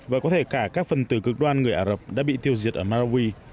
và có thể cả các phần tử cực đoan người ả rập đã bị tiêu diệt ở marawi